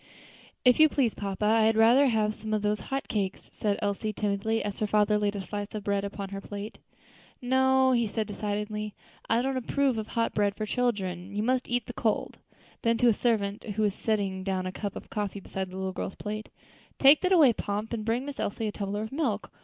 "If you please, papa, I had rather have some of those hot cakes," said Elsie, timidly, as her father laid a slice of bread upon her plate. "No," said he decidedly; "I don't approve of hot bread for children; you must eat the cold." Then to a servant who was setting down a cup of coffee beside the little girl's plate, "Take that away, Pomp, and bring Miss Elsie a tumbler of milk.